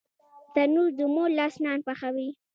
تنور د مور لاس نان پخوي